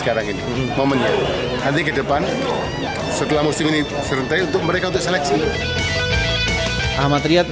ketua umum presiden sidoarjo ini terpilih sebagai ketua umum pssi jatim